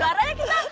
suaranya kita cocok